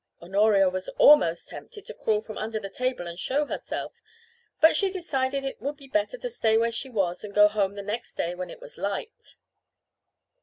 Honoria was almost tempted to crawl from under the table and show herself, but she decided that it would be better to stay where she was and go home the next day when it was light.